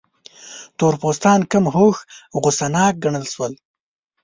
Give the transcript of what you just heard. تور پوستان کم هوښ، غوسه ناک ګڼل شول.